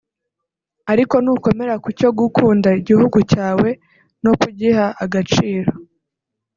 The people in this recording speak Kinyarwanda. Ariko ni ukomera ku cyo gukunda igihugu cyawe no kugiha agaciro